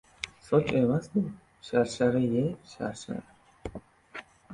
— Soch emas bu, sharshara-ye, sharshara!..